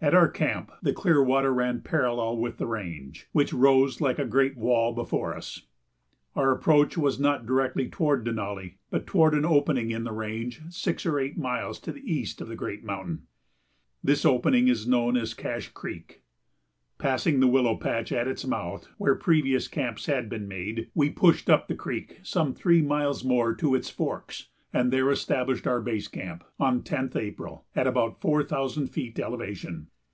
At our camp the Clearwater ran parallel with the range, which rose like a great wall before us. Our approach was not directly toward Denali but toward an opening in the range six or eight miles to the east of the great mountain. This opening is known as Cache Creek. Passing the willow patch at its mouth, where previous camps had been made, we pushed up the creek some three miles more to its forks, and there established our base camp, on 10th April, at about four thousand feet elevation.